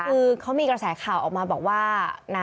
คือเขามีกระแสข่าวออกมาบอกว่า